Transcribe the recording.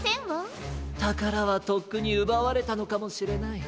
たからはとっくにうばわれたのかもしれない。